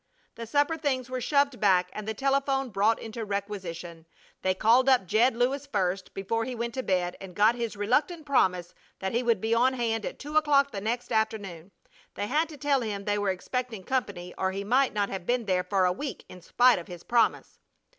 The supper things were shoved back and the telephone brought into requisition. They called up Jed Lewis first before he went to bed, and got his reluctant promise that he would be on hand at two o'clock the next afternoon. They had to tell him they were expecting company or he might not have been there for a week in spite of his promise.